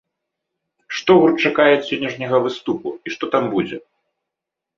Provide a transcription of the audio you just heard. Што гурт чакае ад сённяшняга выступу і што там будзе?